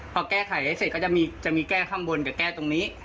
พอแก้ไขให้เสร็จก็จะมีแก้ข้างบนกับแก้ตรงนี้